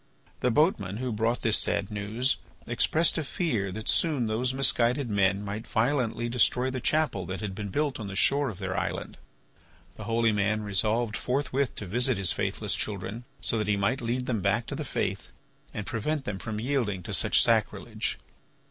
The boatman who brought this sad news expressed a fear that soon those misguided men might violently destroy the chapel that had been built on the shore of their island. The holy man resolved forthwith to visit his faithless children, so that he might lead them back to the faith and prevent them from yielding to such sacrilege.